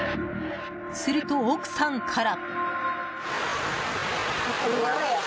すると、奥さんから。